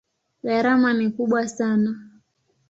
Gharama ni kubwa sana.